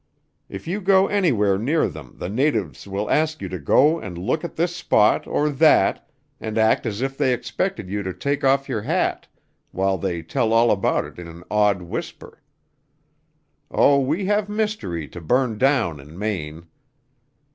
If you go anywhere near them the natives will ask you to go and look at this spot, or that, and act as if they expected you to take off your hat while they tell all about it in an awed whisper. Oh, we have mystery to burn down in Maine!